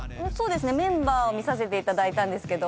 メンバーを見させていただいたんですけど。